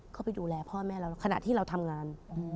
เข้าไปดูแลพ่อแม่เราขณะที่เราทำงาน